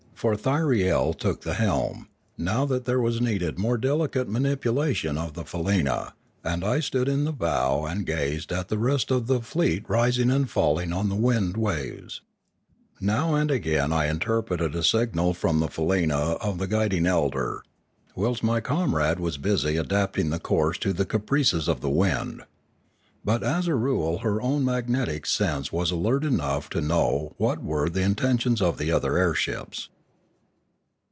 For Thyriel took the helm, now that there was needed more delicate manipulation of the faleena, and I stood in the bow and gazed at the rest of the fleet rising and falling on the wind waves. Now and again I interpreted a signal from the faleena of the guiding elder, whilst my comrade was busy adapting the course to the caprices of the wind. But as a rule her own magnetic sense was alert enough to know what were the intentions of the other air ships.